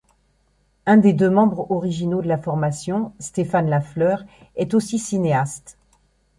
Un des deux membres originaux de la formation, Stéphane Lafleur, est aussi cinéaste.